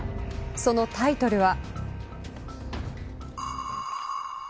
そのタイトルは。